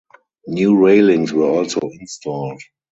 New railings were also installed.